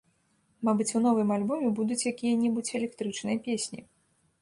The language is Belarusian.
Мабыць, у новым альбоме будуць якія-небудзь электрычныя песні.